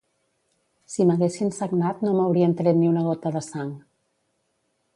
Si m'haguessin sagnat no m'haurien tret ni una gota de sang.